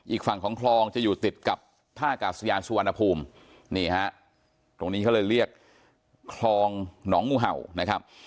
อีกฝั่งของคลองจะอยู่ติดกับท่ากาศยานสุวรรณภูมินี่ฮะตรงนี้เขาเลยเรียกคลองหนองงูเห่านะครับ